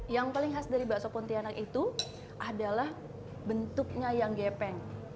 yang paling khas dari bakso pontianak itu adalah bentuknya yang gepeng